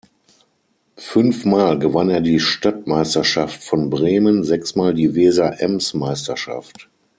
Fünfmal gewann er die Stadtmeisterschaft von Bremen, sechsmal die Weser-Ems-Meisterschaft.